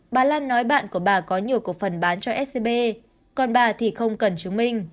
bà lan nói bạn của bà có nhiều cổ phần bán cho scb còn bà thì không cần chứng minh